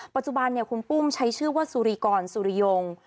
ปัจจุบันคุณปุ้มใช้ชื่อว่าสุริกรสุริยง